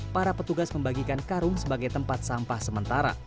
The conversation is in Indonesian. para petugas membagikan karung sebagai tempat sampah sementara